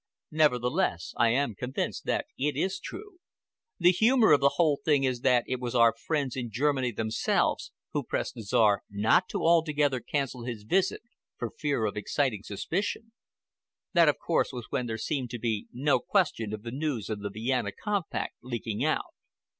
"Nevertheless I am convinced that it is true. The humor of the whole thing is that it was our friends in Germany themselves who pressed the Czar not to altogether cancel his visit for fear of exciting suspicion. That, of course, was when there seemed to be no question of the news of the Vienna compact leaking out.